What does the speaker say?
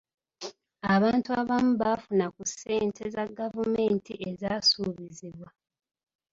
Abantu abamu baafuna ku ssente za gavumenti ezaasuubizibwa.